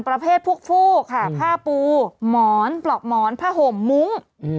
ประเภทพวกฟูกค่ะผ้าปูหมอนปลอกหมอนผ้าห่มมุ้ง